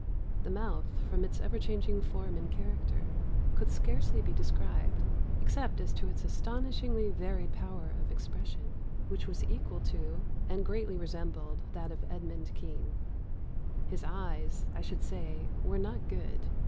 The mouth, from its ever changing form and character, could scarcely be described, except as to its astonishingly varied power of expression, which was equal to, and greatly resembled, that of Edmund Kean. His eyes, I should say, were not good.